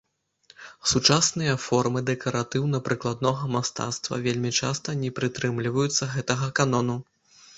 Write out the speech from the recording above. Сучасныя формы дэкаратыўна прыкладнога мастацтва вельмі часта не прытрымліваюцца гэтага канону.